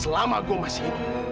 selama gue masih hidup